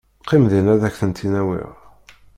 Qqim din ad ak-tent-in-awiɣ.